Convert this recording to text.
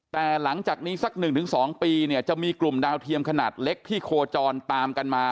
แต่หลังจากนี้สัก๑๒ปีเนี่ยจะมีกลุ่มดาวเทียมขนาดเล็กที่โคจรตามกันมา